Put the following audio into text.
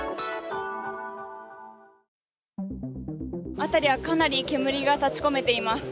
辺りは、かなり煙が立ち込めています。